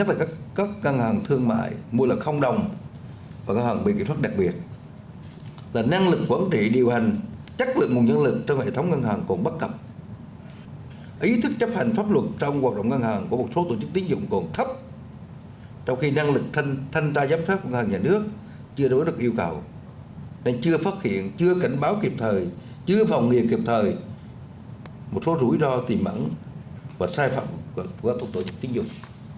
trong khi năng lực thanh ra giám sát ngân hàng nhà nước chưa đối được yêu cầu nên chưa phát hiện chưa cảnh báo kịp thời chưa phòng nghiệp kịp thời một số rủi ro tìm ẩn và sai phạm của tổ chức tín dụng